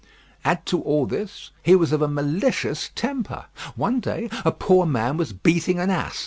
Add to all this that he was of a malicious temper. One day, a poor man was beating an ass.